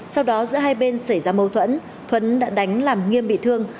sau đó giữa hai bên xảy ra mâu thuẫn thuấn đã đánh làm nghiêm bị thương